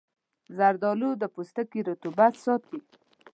زردآلو د پوستکي رطوبت ساتي.